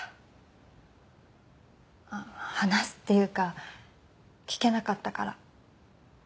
あっ話すっていうか聞けなかったから。